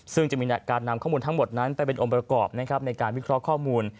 ซึ่งจะมีการนำข้อมูลทั้งหมดนั้นไปเป็นองค์ประกอบนะครับในการวิเคราะห์ข้อมูล